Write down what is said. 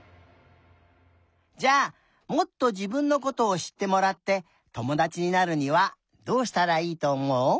じゃあもっとじぶんのことをしってもらってともだちになるにはどうしたらいいとおもう？